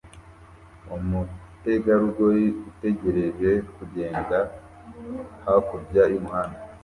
Umutegarugori utegereje kugenda hakurya y'umuhanda